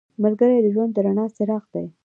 ملګری د ژوند د رڼا څراغ دی